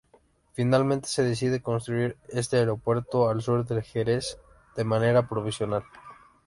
Finalmente se decide construir este aeropuerto al sur de Jerez de manera provisional.